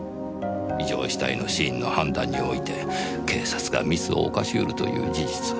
異状死体の死因の判断において警察がミスを犯しうるという事実を。